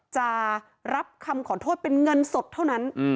จะรับคำขอโทษเป็นเงินสดเท่านั้น